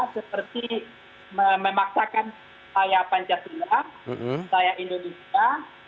seperti memaksakan daya pancasila daya indonesia